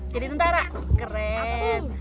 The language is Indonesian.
jadi tentara keren